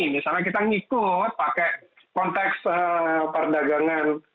misalnya kita ngikut pakai konteks perdagangan